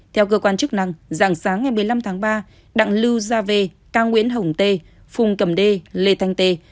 theo cơ quan chức năng dạng sáng ngày một mươi năm tháng ba đặng lưu gia v ca nguyễn hồng tê phùng cầm đê lê thanh tê